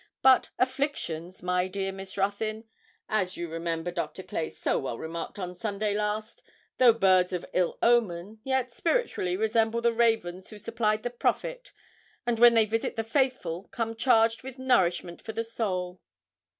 But afflictions, my dear Miss Ruthyn, as you remember Doctor Clay so well remarked on Sunday last, though birds of ill omen, yet spiritually resemble the ravens who supplied the prophet; and when they visit the faithful, come charged with nourishment for the soul.